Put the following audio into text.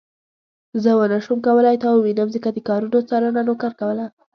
زه ونه شوم کولای تا ووينم ځکه د کارونو څارنه نوکر کوله.